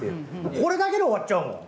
これだけで終わっちゃうもん。